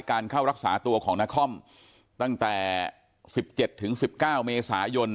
เข้ารักษาตัวของนครตั้งแต่๑๗๑๙เมษายน